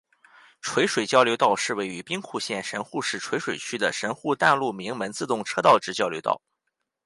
垂水交流道是位于兵库县神户市垂水区的神户淡路鸣门自动车道之交流道。